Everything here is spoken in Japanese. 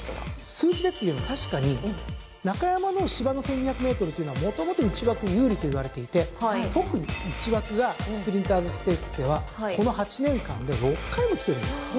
数字でっていうのは確かに中山の芝の１，２００ｍというのはもともと内枠有利といわれていて特に１枠がスプリンターズステークスではこの８年間で６回も来てるんですよ。